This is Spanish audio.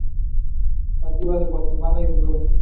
Nativa de Guatemala y Honduras.